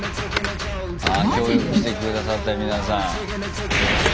ああ協力して下さった皆さん。